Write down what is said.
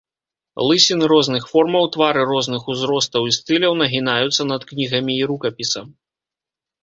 Лысіны розных формаў, твары розных узростаў і стыляў нагінаюцца над кнігамі і рукапісам.